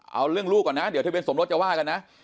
เอาเรื่องลูกก่อนนะเดี๋ยวทะเบียนสมรสจะว่ากันนะ